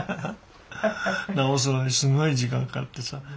直すのにすごい時間かかってさ。